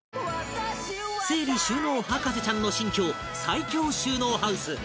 整理収納博士ちゃんの新居最強収納ハウス！